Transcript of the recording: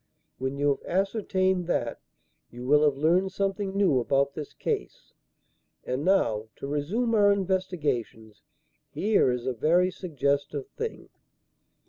When you have ascertained that, you will have learned something new about this case. And now, to resume our investigations. Here is a very suggestive thing."